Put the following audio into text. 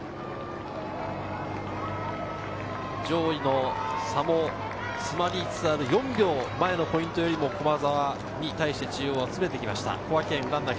上位の差もつまりつつある４秒前のポイントよりも、駒澤に対して中央が詰めてきました。